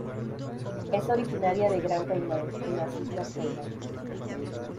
Es originaria de Gran Caimán en las Islas Caimán.